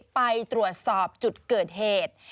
ไปตรวจสอบจุดเกิดเหตุ